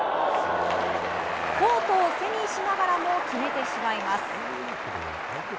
コートを背にしながらも決めてしまいます。